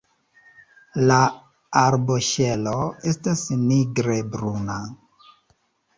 La arboŝelo estas nigre bruna.